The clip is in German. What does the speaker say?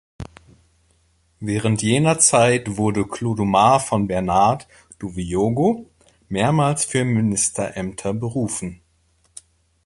Während jener Zeit wurde Clodumar von Bernard Dowiyogo mehrmals für Ministerämter berufen.